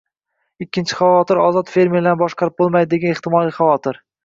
Ikkinchi xavotir. Ozod fermerlarni boshqarib bo‘lmaydi, degan ehtimoliy xavotir.